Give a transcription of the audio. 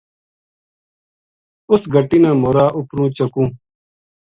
اس گٹی نا مورا اُپروں چَکوں‘‘